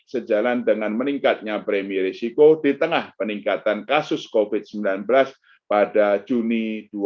sejalan dengan meningkatnya premi risiko di tengah peningkatan kasus covid sembilan belas pada juni dua ribu dua puluh